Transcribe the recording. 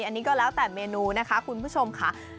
อันนี้ก็แล้วแต่เมนูนะคะคุณผู้ชมค่ะ